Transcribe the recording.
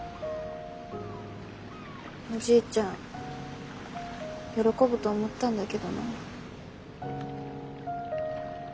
おじいちゃん喜ぶと思ったんだけどな。